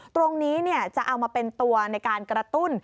ตรงนี้จะเอามาเป็นตัวในการกระตุ้น